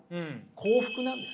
幸福なんです。